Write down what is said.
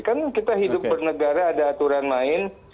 kan kita hidup bernegara ada aturan main